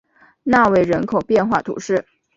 纳韦人口变化图示